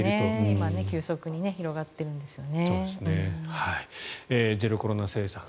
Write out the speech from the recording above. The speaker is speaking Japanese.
今、急速に広がっているんですね。